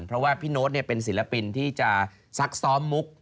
เพราะว่าพี่โน๊ตเป็นศิลปินที่จะซักซ้อมมุก